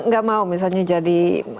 gak mau misalnya jadi